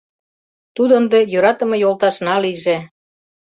Тудо ынде йӧратыме йолташна лийже.